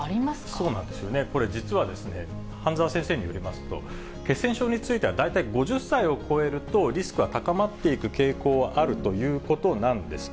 そうなんですよね、これ、実は榛沢先生によりますと、血栓症については大体５０歳を超えると、リスクが高まっていく傾向があるということなんです。